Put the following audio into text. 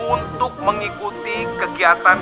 untuk mengikuti kegiatan